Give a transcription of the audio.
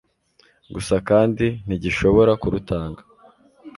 gusa kandi ntigishobora kurutanga